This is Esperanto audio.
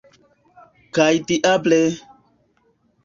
Kaj diable!